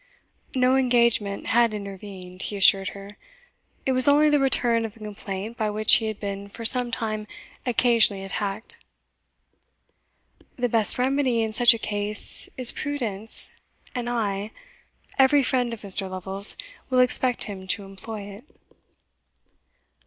"No engagement had intervened," he assured her; "it was only the return of a complaint by which he had been for some time occasionally attacked." "The best remedy in such a case is prudence, and I every friend of Mr. Lovel's will expect him to employ it."